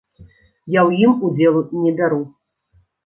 Я ў ім удзелу не бяру!